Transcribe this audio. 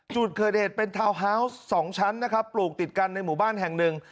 จุดเกิดเหตุเป็นทาวน์ฮาวส์๒ชั้นนะครับปลูกติดกันในหมู่บ้านแห่งหนึ่ง